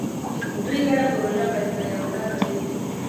دوی ګډه پروژه پیل کړې او کار کوي